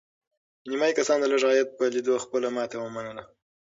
نیمایي کسانو د لږ عاید په لیدو خپله ماتې ومنله.